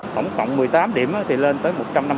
tổng cộng một mươi tám điểm thì lên tới một trăm năm mươi ba tấn